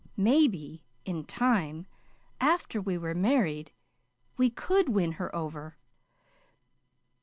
Maybe in time, after we were married, we could win her over."